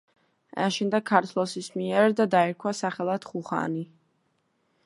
აშენდა ქართლოსის მიერ და დაერქვა სახელად ხუნანი.